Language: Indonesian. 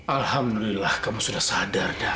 alhamdulillah kamu sudah sadar